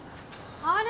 あれ？